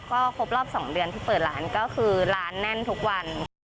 ก็ครบรอบ๒เดือนที่เปิดร้านก็คือร้านแน่นทุกวันค่ะ